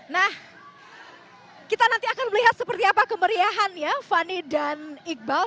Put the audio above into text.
nah kita nanti akan melihat seperti apa kemeriahannya fani dan iqbal